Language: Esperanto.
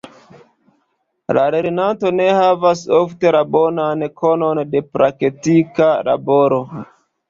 La lernanto ne havas ofte la bonan konon de praktika laboro.